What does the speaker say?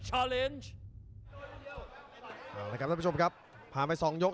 จังหวาดึงซ้ายตายังดีอยู่ครับเพชรมงคล